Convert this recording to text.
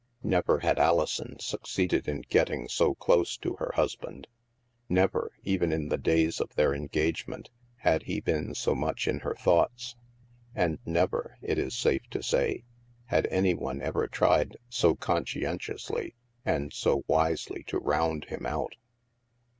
Never had Alison succeeded in getting so close to her husband ; never, even in the days of their engagement, had he been so much in her thoughts; and never, it is safe to say, had any one ever tried so conscientiously and so wisely to round him out.